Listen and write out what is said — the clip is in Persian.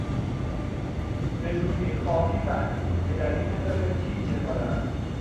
به زودی خواهی فهمید که در این اداره کی چه کاره است.